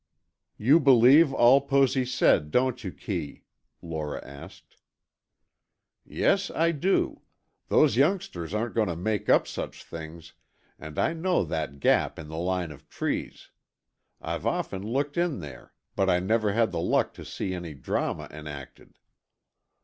"You believe all Posy said, don't you, Kee?" Lora asked. "Yes, I do. Those youngsters aren't going to make up such things, and I know that gap in the line of trees, I've often looked in there but I never had the luck to see any drama enacted."